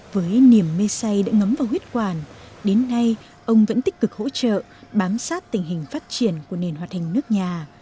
với niềm mê say đã ngấm vào huyết quản đến nay ông vẫn tích cực hỗ trợ bám sát tình hình phát triển của nền hoạt hình nước nhà